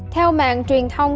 theo mạng truyền thông